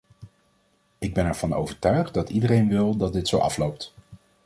Ik ben ervan overtuigd dat iedereen wil dat dit zo afloopt.